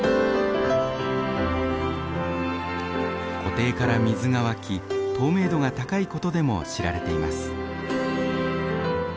湖底から水が湧き透明度が高いことでも知られています。